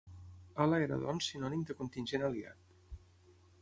Ala era doncs sinònim de contingent aliat.